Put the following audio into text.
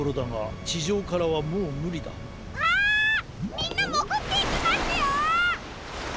みんなもぐっていきますよ！